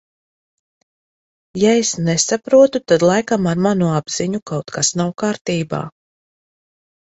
Ja es nesaprotu, tad laikam ar manu apziņu kaut kas nav kārtībā.